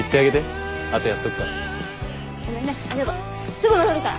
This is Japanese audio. すぐ戻るから。